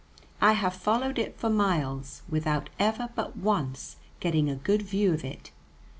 I have followed it for miles, without ever but once getting a good view of it.